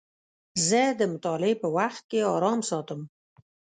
زه د مطالعې په وخت کې ارام ساتم.